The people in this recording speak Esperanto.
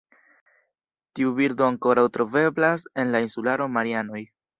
Tiu birdo ankoraŭ troveblas en la insularo Marianoj.